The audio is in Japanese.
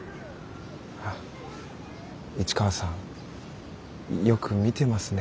市川さんよく見てますね。